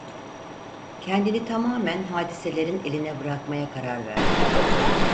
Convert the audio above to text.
Kendini tamamen hadiselerin eline bırakmaya karar verdi.